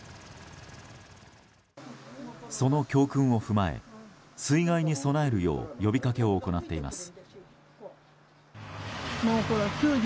その教訓を踏まえ水害に備えるよう呼びかけを行っています。